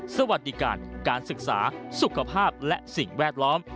สวัสดีการการศึกษาสุขภาพและสิ่งแวดล้อม